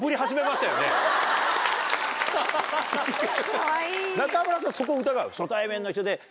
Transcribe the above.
かわいい。